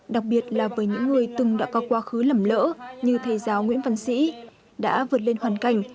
đặc biệt là với những người từng đã có quá khứ lầm lỡ như thầy giáo nguyễn văn sĩ đã vượt lên hoàn cảnh